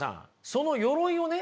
その鎧をね